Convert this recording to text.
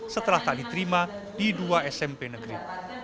setelah tak diterima di dua smp negeri